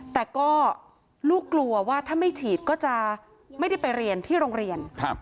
แต่ก็ลูกกลัวว่าถ้าไม่ฉีดก็จะไม่ได้ไปเรียนที่โรงเรียน